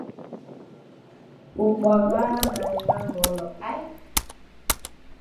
Ubwaghaa mae na ngolo, ai!